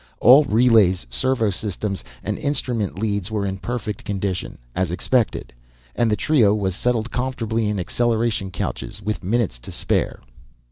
All relays, servo systems and instrument leads were in perfect condition as expected, and the trio was settled comfortably in acceleration couches with minutes to spare.